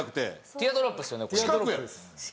ティアドロップです。